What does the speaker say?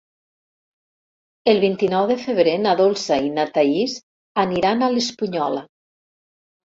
El vint-i-nou de febrer na Dolça i na Thaís aniran a l'Espunyola.